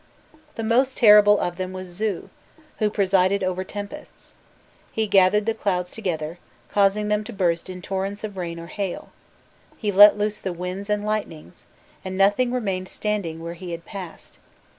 The most terrible of them was Zu, who presided over tempests: he gathered the clouds together, causing them to burst in torrents of rain or hail; he let loose the winds and lightnings, and nothing remained standing where he had passed.